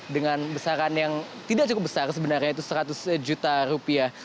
dengan besaran yang tidak cukup besar sebenarnya itu seratus juta rupiah